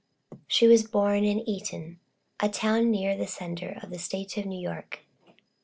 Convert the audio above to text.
She was born in Eaton, a town near the centre of the state of New York.